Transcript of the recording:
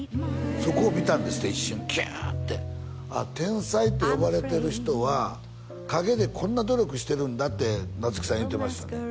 そこを見たんですって一瞬キューッてああ天才って呼ばれてる人は陰でこんな努力してるんだって夏木さん言うてましたね